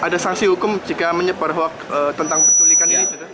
ada sanksi hukum jika menyebar hoax tentang penculikan ini